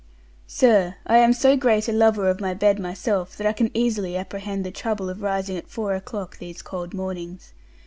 SIR, I am so great a lover of my bed myself that I can easily apprehend the trouble of rising at four o'clock these cold mornings.